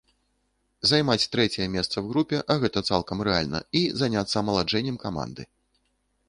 Займаць трэцяе месца ў групе, а гэта цалкам рэальна, і заняцца амаладжэннем каманды.